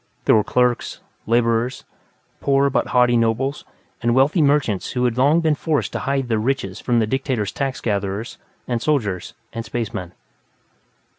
There were clerks; laborers; poor but haughty nobles: and wealthy merchants who had long been forced to hide their riches from the dictator's tax gatherers, and soldiers, and spacemen.